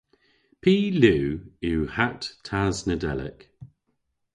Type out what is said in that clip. Py liw yw hatt Tas Nadelik?